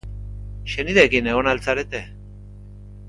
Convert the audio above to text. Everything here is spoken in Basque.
Senideekin egon al zarete?